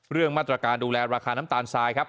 เรื่องมาตรการดูแลราคาน้ำตาลทรายครับ